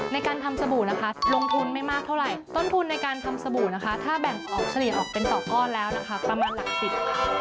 ในการทำสบู่นะคะลงทุนไม่มากเท่าไหร่ต้นทุนในการทำสบู่นะคะถ้าแบ่งออกเฉลี่ยออกเป็นต่อก้อนแล้วนะคะประมาณหลักสิบ